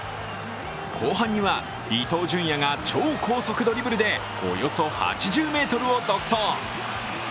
後半には伊東純也が超高速ドリブルでおよそ８０ｍを独走。